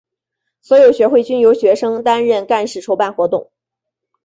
所有学会均由学生担任干事筹办活动。